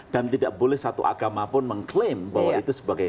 dan tidak boleh satu agama pun mengklaim bahwa itu sebagai kota